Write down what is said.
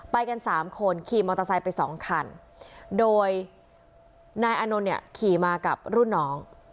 ไปกันสามคนขี่มอเตอร์ไซค์ไปสองคันโดยนายอานนท์เนี่ยขี่มากับรุ่นน้อง